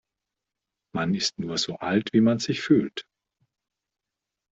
Man ist nur so alt, wie man sich fühlt.